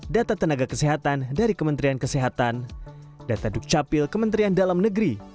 data tenaga kesehatan dari kementerian kesehatan data dukcapil kementerian dalam negeri